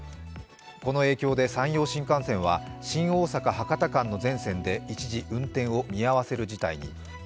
この影響で山陽新幹線は新大阪−博多間の全線で一時運転を見合わせる事態に。